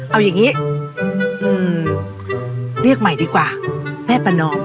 เอาอย่างนี้เรียกใหม่ดีกว่าแม่ประนอม